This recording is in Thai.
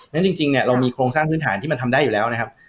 แล้วจริงเรามีกรงสร้างพื้นฐานที่มันทำได้อยู่แล้วนะครับ